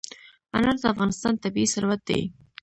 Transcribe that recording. انار د افغانستان طبعي ثروت دی.